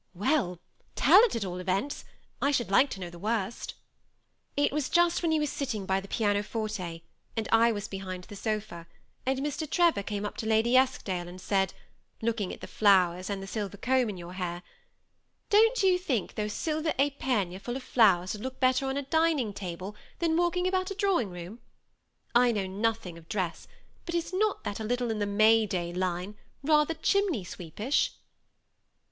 " Well, tell it, at all events ; I should like to know the worst" " It was just when you were sitting by the piano forte, and I was behind the sofa, and Mr. Trevor came up to Lady Eskdale and said, looking at the flowers and the silver comb in your hair, * Don't you think those silver ^pergnes full of flowers would look better on a dining table than walking about a drawing room ? I know nothing of dress, but is not that a little in the May day line — rather chimney sweeperish